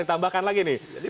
ditambahkan lagi nih